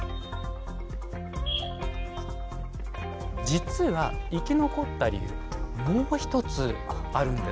実は生き残った理由もう一つあるんです。